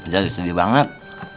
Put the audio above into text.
dia disini banget